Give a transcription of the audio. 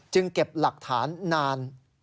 เก็บหลักฐานนาน